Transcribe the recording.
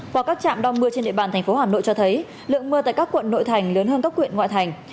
qua các trạm đong mưa trên địa bàn tp hà nội cho thấy lượng mưa tại các quận nội thành lớn hơn các quyện ngoại thành